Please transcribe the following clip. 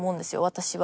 私は。